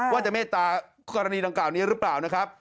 ว่าจะเมตตากรณีดังกล่าวนี้หรือเปล่านะครับ